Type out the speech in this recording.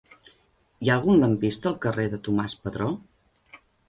Hi ha algun lampista al carrer de Tomàs Padró?